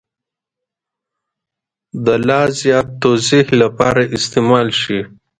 د لا زیات توضیح لپاره استعمال شي.